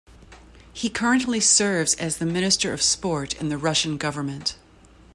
He currently serves as the Minister of Sport in the Russian government.